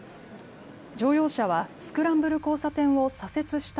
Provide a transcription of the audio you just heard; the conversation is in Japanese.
乗用車はスクランブル交差点を左折した